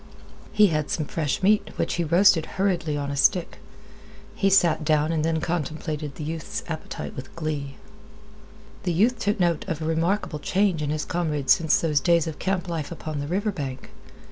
He had some fresh meat, which he roasted hurriedly on a stick. He sat down then and contemplated the youth's appetite with glee. The youth took note of a remarkable change in his comrade since those days of camp life upon the river bank.